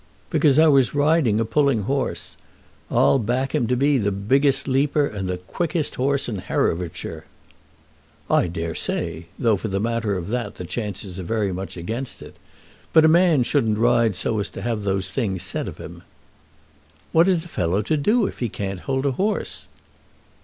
"Because I was riding a pulling horse. I'll back him to be the biggest leaper and the quickest horse in Herefordshire." "I dare say, though for the matter of that the chances are very much against it. But a man shouldn't ride so as to have those things said of him." "What is a fellow to do if he can't hold a horse?"